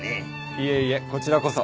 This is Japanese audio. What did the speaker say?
いえいえこちらこそ。